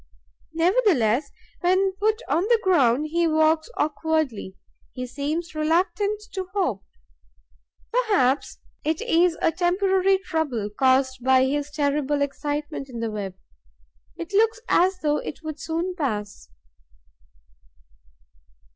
Nevertheless, when put on the ground, he walks awkwardly, he seems reluctant to hop. Perhaps it is a temporary trouble, caused by his terrible excitement in the web. It looks as though it would soon pass.